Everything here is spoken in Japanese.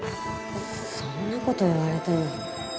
そんなこと言われても。